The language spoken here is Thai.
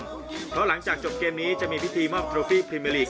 เพราะหลังจากจบเกมนี้จะมีพิธีมอบโลฟี่พรีเมอร์ลีก